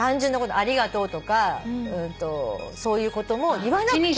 ありがとうとかそういうことも言わなくても。